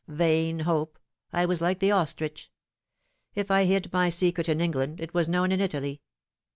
Vain hope. I was like the ostrich. If I hid my secret in England, it was known in Italy.